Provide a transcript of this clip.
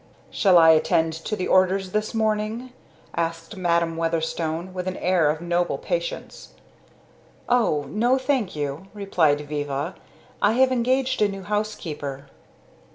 "Shall I attend to the orders this morning?" asked Madam Weatherstone with an air of noble patience. "O no, thank you!" replied Viva. "I have engaged a new housekeeper."